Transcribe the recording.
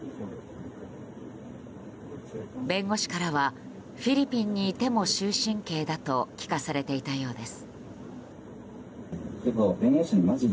弁護士からはフィリピンにいても終身刑だと聞かされていたようです。